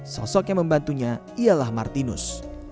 sosok yang membantunya ialah martinus